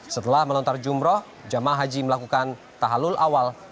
setelah melontar jumroh jemaah haji melakukan tahalul awal